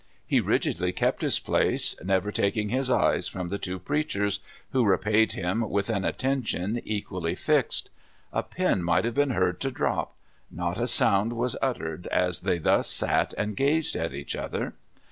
He rigidly kept his place, never taking his eyes from the two preachers, who repaid him with an attention equalh^ fixed. A pin might have been heard to drop — not a sound was uttered as they thus sat and gazed at each other.